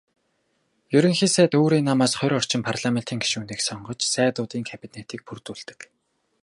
Ерөнхий сайд өөрийн намаас хорь орчим парламентын гишүүнийг сонгож "Сайдуудын кабинет"-ийг бүрдүүлдэг.